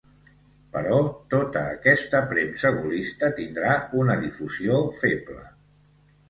Però tota aquesta premsa gaullista tindrà una difusió feble.